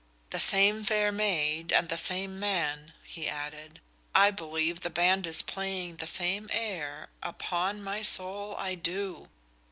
"The same fair maid and the same man," he added. "I believe the band is playing the same air; upon my soul, I do."